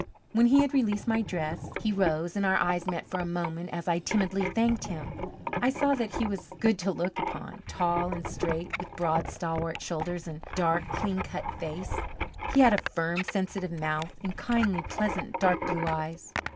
When he had released my dress he rose and our eyes met for a moment as I timidly thanked him. I saw that he was good to look upon tall and straight, with broad, stalwart shoulders and a dark, clean cut face. He had a firm, sensitive mouth and kindly, pleasant, dark blue eyes.